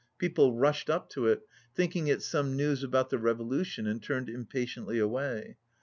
People rushed up to it, thinking it some news about the revolution, and turned impatiently away.